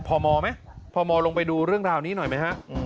พอมอมาครับพอมอลงไปดูเรื่องราวนี้หน่อยไหมฮะ